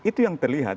itu yang terlihat